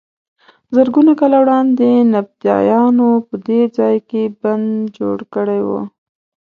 زرګونه کاله وړاندې نبطیانو په دې ځای کې بند جوړ کړی و.